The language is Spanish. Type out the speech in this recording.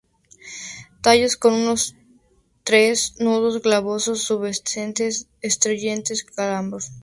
Tallos con uno o tres nudos glabros o pubescentes, y entrenudos glabros.